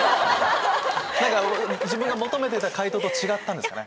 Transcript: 何か自分が求めてた回答と違ったんですかね？